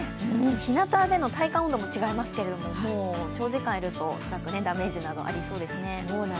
ひなたでの体感温度も違いますけれども、長時間いるとダメージありそうですね。